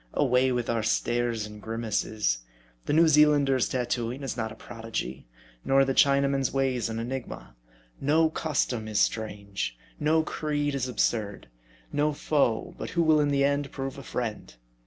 Away with our stares and grimaces. The New Zealander's tattoo ing is not a prodigy ; nor the Chinaman's ways an enigma. No custom is strange ; no creed is absurd ; no foe, but who will in the end prove a friend.